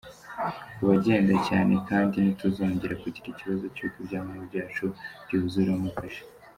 Ku bagenda cyane kandi ntituzongera kugira ikibazo cy’uko ibyangombwa byacu byuzuramo kashe.